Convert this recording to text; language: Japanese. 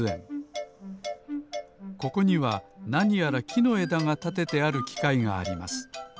ここにはなにやらきのえだがたててあるきかいがあります。